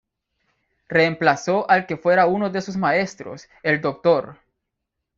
Reemplazó al que fuera uno de sus maestros, el Dr.